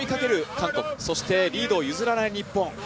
韓国、そしてリードを譲らない日本。